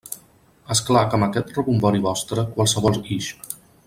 És clar que amb aquest rebombori vostre... qualsevol ix!